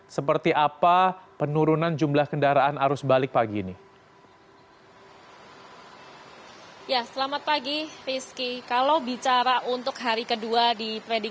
seperti apa penurunan jumlah kendaraan arus balik pagi ini